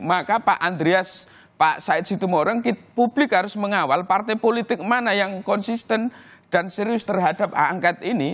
maka pak andreas pak said situmorang publik harus mengawal partai politik mana yang konsisten dan serius terhadap hak angket ini